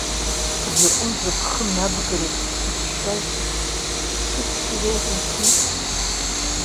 Абри иҟынӡа бхы набгартә бзықәшәазеи, бҽыбшьыр еиӷьымзи!